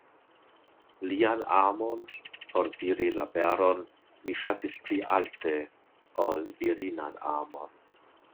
Lian amon por diri la veron mi ŝatis pli alte, ol virinan amon.